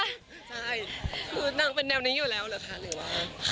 คือนั่งเป็นแนวนี้อยู่แล้วหรือว่า